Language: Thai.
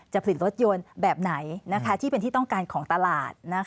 ผลิตรถยนต์แบบไหนที่เป็นที่ต้องการของตลาด